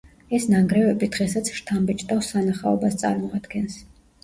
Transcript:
ეს ნანგრევები დღესაც შთამბეჭდავ სანახაობას წარმოადგენს.